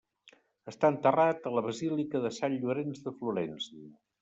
Està enterrat a la Basílica de Sant Llorenç de Florència.